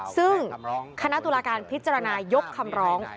ซึ่งคณะตุลาการพิจารณายกคำร้อง